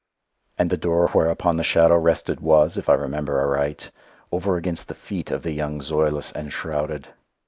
And the door whereupon the shadow rested was, if I remember aright, over against the feet of the young Zoilus enshrouded.